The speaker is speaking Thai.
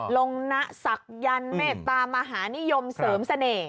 ลงนะศักยันต์เมตตามหานิยมเสริมเสน่ห